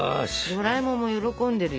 ドラえもんも喜んでるよ。